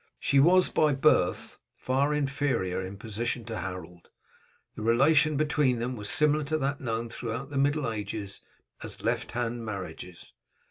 She was by birth far inferior in position to Harold. The relation between them was similar to that known throughout the middle ages as left hand marriages.